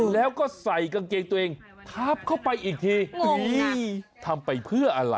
แล้วก็ใส่กางเกงตัวเองทับเข้าไปอีกทีทำไปเพื่ออะไร